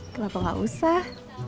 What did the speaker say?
kenapa gak usah